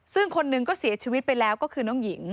ซึ่งคนหนึ่งก็เสียชีวิตไปแล้วก็คือน้องหญิง